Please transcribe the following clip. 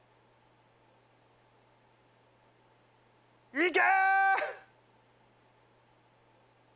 いけ！